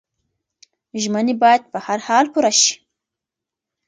ژمنې باید په هر حال پوره شي.